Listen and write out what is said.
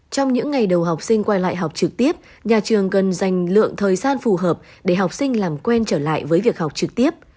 trong những ngày đầu học sinh quay lại học trực tiếp nhà trường cần dành lượng thời gian phù hợp để học sinh làm quen trở lại với việc học trực tiếp